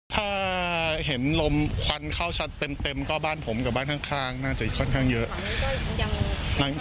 ถ้าเห็นลมควันเข้าชัดเต็มก็บ้านผมกับบ้านข้างน่าจะค่อนข้างเยอะ